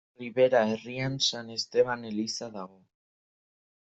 Ribera herrian San Esteban eliza dago.